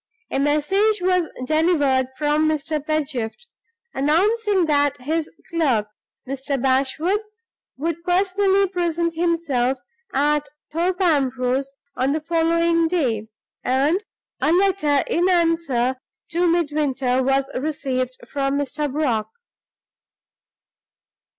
A message was delivered from Mr. Pedgift, announcing that his clerk, Mr. Bashwood, would personally present himself at Thorpe Ambrose on the following day; and a letter in answer to Midwinter was received from Mr. Brock.